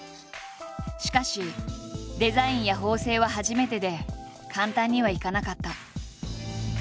しかしデザインや縫製は初めてで簡単にはいかなかった。